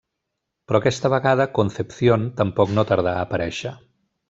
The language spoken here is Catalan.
Però aquesta vegada, Concepción tampoc no tarda a aparèixer.